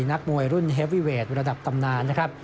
นักมวยรุ่นเฮวีเวทระดับตำนานนะครับ